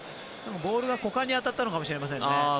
ボールが股間に当たったかもしれませんね。